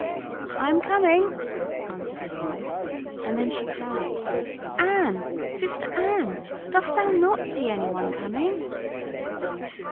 "I am coming," answered his wife; and then she cried: "Anne, sister Anne, dost thou not see any one coming?"